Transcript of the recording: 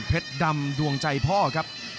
เพชรดำดวงใจพ่อครับ